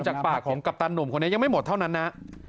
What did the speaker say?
จากปากของกัปตันหนุ่มคนนี้ยังไม่หมดเท่านั้นนะ